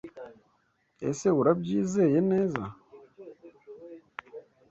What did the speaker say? Ese Urabyizeye neza?